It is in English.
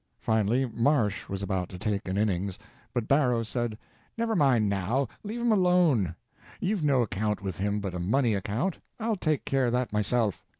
Finally Marsh was about to take an innings, but Barrow said: "Never mind, now—leave him alone. You've no account with him but a money account. I'll take care of that myself."